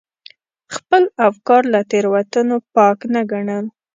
خپل افکار له تېروتنو پاک نه ګڼل.